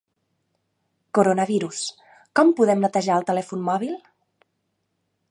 Coronavirus: com podem netejar el telèfon mòbil?